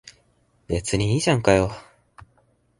別にいいじゃんかよ。